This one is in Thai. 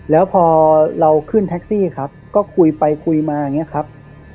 แล้วพอเราขึ้นแท็กซี่ครับก็คุยไปคุยมาอย่างนี้ครับ